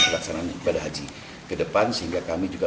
pelaksanaan ibadah haji kedepan sehingga kami juga